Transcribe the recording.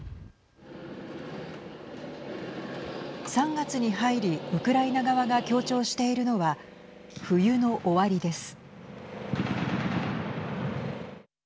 ３月に入りウクライナ側が強調しているのは冬の終わりです。